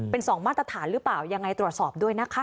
เป็น๒มาตรฐานหรือเปล่ายังไงตรวจสอบด้วยนะคะ